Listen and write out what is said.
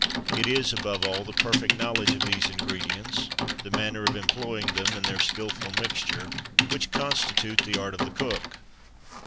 It is, above all, the perfect knowledge of these ingredients, the manner of employing them, and their skilful mixture, which constitute the art of the cook.